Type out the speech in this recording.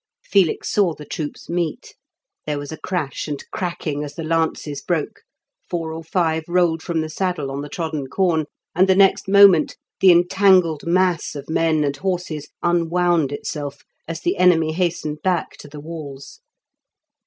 Felix saw the troops meet; there was a crash and cracking as the lances broke, four or five rolled from the saddle on the trodden corn, and the next moment the entangled mass of men and horses unwound itself as the enemy hastened back to the walls.